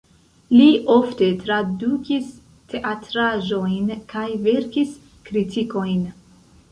Li ofte tradukis teatraĵojn kaj verkis kritikojn.